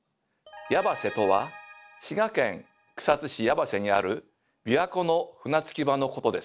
「やばせ」とは滋賀県草津市矢橋にある琵琶湖の船着き場のことです。